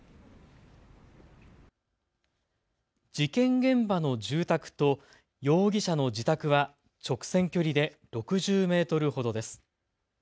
事件現場の住宅と容疑者の自宅は直線距離で６０メートルほどです。